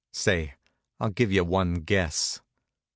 Say, I'll give you one guess.